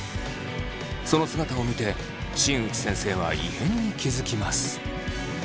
その姿を見て新内先生は異変に気付きます。